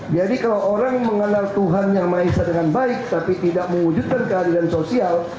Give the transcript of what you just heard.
jadi kalau orang mengenal tuhan yang maizah dengan baik tapi tidak mewujudkan kehadiran sosial